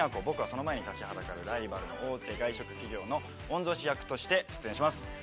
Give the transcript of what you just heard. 僕はその前に立ちはだかるライバルの大手外食企業の御曹司役として出演します。